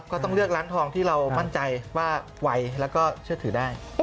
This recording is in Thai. ก็ต้องเลือกร้านทองที่เรามั่นใจว่าไวแล้วก็เชื่อถือได้